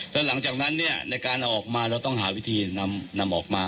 แล้วหลังจากนั้นในการออกมาเราต้องหาวิธีนำออกมา